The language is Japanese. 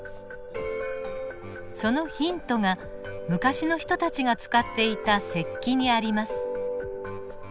そのヒントが昔の人たちが使っていた石器にあります。